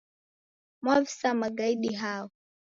Mwavisa magaidi hao?